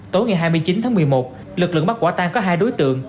tối ngày hai mươi chín tháng một mươi một lực lượng bắt quả tang có hai đối tượng